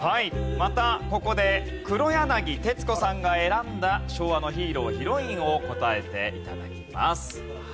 またここで黒柳徹子さんが選んだ昭和のヒーロー＆ヒロインを答えて頂きます。